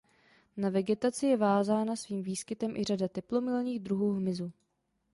Na vegetaci je vázána svým výskytem i řada teplomilných druhů hmyzu.